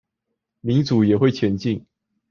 民主也會前進